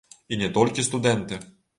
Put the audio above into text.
І не толькі студэнты.